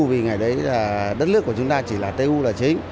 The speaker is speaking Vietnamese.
vì ngày đấy là đất nước của chúng ta chỉ là t u là chính